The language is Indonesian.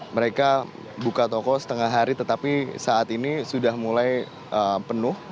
mereka buka toko setengah hari tetapi saat ini sudah mulai penuh